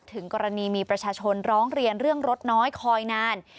ถึงกรณีมีประชาชนร้องเรียนเรื่องรถน้อยคอยนาน